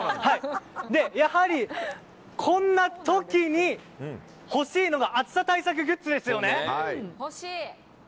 やはり、こんな時に欲しいのが暑さ対策グッズですよね。